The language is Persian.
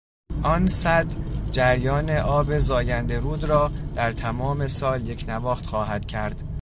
آن سد جریان آب زاینده رود را در تمام سال یکنواخت خواهد کرد.